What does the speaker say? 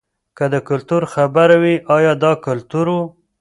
که د کلتور خبره وي ایا دا کلتور و.